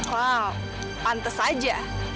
wah pantes aja